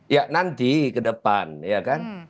ya nanti ke depan ya kan